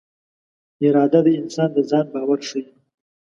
اراده د انسان د ځان باور ښيي.